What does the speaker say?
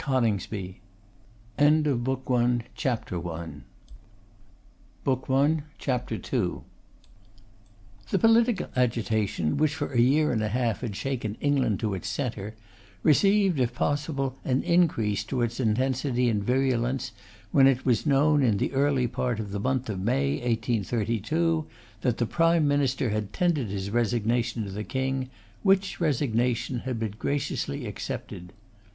CONINGSBY.' CHAPTER II. The political agitation which for a year and a half had shaken England to its centre, received, if possible, an increase to its intensity and virulence, when it was known, in the early part of the month of May, 1832, that the Prime Minister had tendered his resignation to the King, which resignation had been graciously accepted.